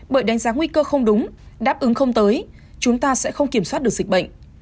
bởi đánh giá nguy cơ không đúng đáp ứng không tới chúng ta sẽ không kiểm soát được dịch bệnh